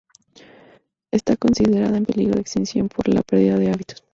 Está considerada en peligro de extinción por la perdida de hábitat.